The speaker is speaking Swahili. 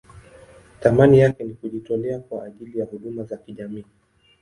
Thamani yake ni kujitolea kwa ajili ya huduma za kijamii.